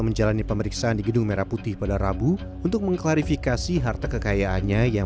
menjalani pemeriksaan di gedung merah putih pada rabu untuk mengklarifikasi harta kekayaannya yang